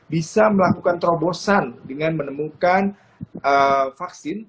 bisa melakukan terobosan dengan menemukan vaksin